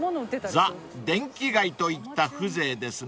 ［ザ・電気街といった風情ですね］